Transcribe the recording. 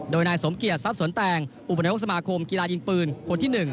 โดยนายสมเกียจทรัพย์สนแตงอุปนายกสมาคมกีฬายิงปืนคนที่๑